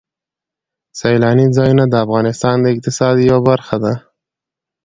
سیلاني ځایونه د افغانستان د اقتصاد یوه برخه ده.